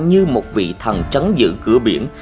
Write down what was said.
như một vị thần trấn dự cửa biển